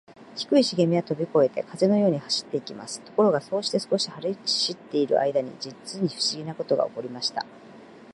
低いしげみはとびこえて、風のように走っていきます。ところが、そうして少し走っているあいだに、じつにふしぎなことがおこりました。